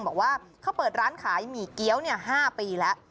บอกว่าเขาเปิดร้านขายหมี่เกี้ยว๕ปีแล้ว